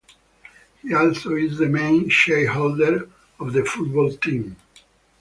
He also is the main shareholder of the football team.